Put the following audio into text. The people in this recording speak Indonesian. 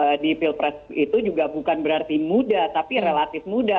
untuk maju di field press itu juga bukan berarti muda tapi relatif muda